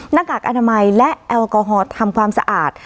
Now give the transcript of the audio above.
หน้ากากอนามัยและแอลกอฮอล์ทำความสะอาด